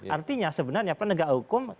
artinya sebenarnya penegak hukum